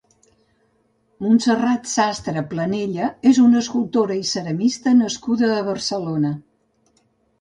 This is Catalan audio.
Montserrat Sastre Planella és una escultora i ceramista nascuda a Barcelona.